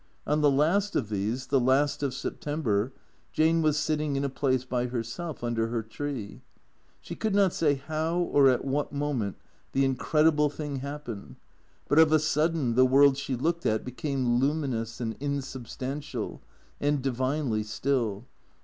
On the last of these, the last of September, Jane was sitting in a place by herself under her tree. She could not say how or at what moment the incred ible thing happened, but of a sudden the Avorld she looked at became luminous and insubstantial and divinely still.